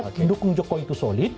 pendukung jokowi itu solid